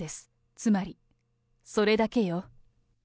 つまり、それだけよ。